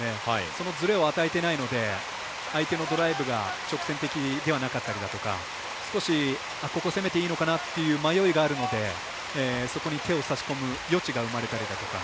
そのずれを与えていないので相手のドライブが直線的ではなかったりとか少し、ここ攻めていいのかなという迷いがあるのでそこに手を差し込む余地が生まれたりだとか。